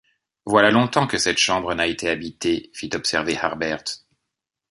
Voilà longtemps que cette chambre n’a été habitée, fit observer Harbert.